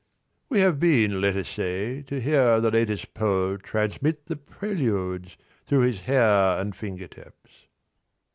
We have been, let us say, to hear the latest Pole Transmit the Preludes, through his hair and finger tips.